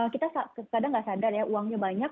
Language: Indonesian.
kita kadang nggak sadar ya uangnya banyak